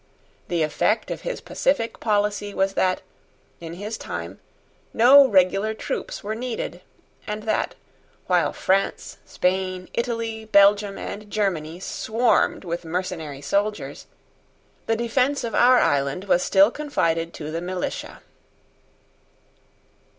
The effect of his pacific policy was that, in his time, no regular troops were needed, and that, while France, Spain, Italy, Belgium, and Germany swarmed with mercenary soldiers, the defence of our island was still confided to the militia.